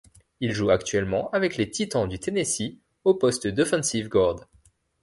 Il joue actuellement avec les Titans du Tennessee au poste d'offensive guard.